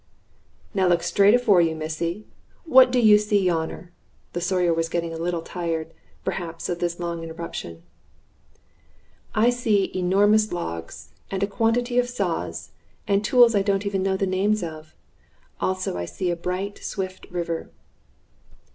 "Now look straight afore you, missy. What do you see yonner?" The Sawyer was getting a little tired, perhaps, of this long interruption. "I see enormous logs, and a quantity of saws, and tools I don't even know the names of. Also I see a bright, swift river."